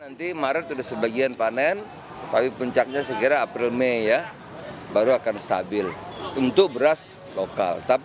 nanti maret sudah sebagian panen tapi puncaknya segera april may ya